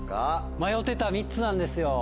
迷ってた３つなんですよ。